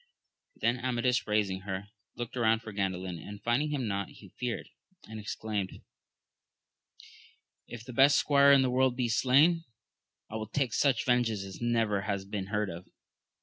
Then Amadis raising her, looked round for Gan dalin, and finding him not, he feared, and exclaimed. If the best squire in the world be slain, I will take such vengeance as never has been heard of.